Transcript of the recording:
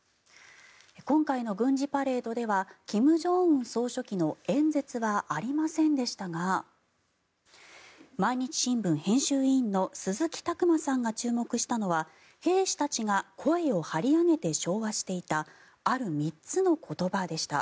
今回の軍事パレードでは金正恩総書記の演説はありませんでしたが毎日新聞編集委員の鈴木琢磨さんが注目したのは兵士たちが声を張り上げて唱和していたある３つの言葉でした。